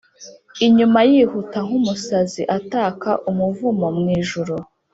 inyuma, yihuta nk'umusazi, ataka umuvumo mwijuru,